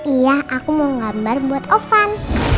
iya aku mau gambar buat ovan